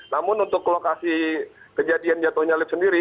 namun untuk lokasi kejadian jatuhnya lift sendiri